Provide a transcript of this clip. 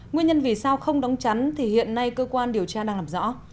nguyên nhân vì sao không đóng chắn thì hiện nay cơ quan điều tra đang làm rõ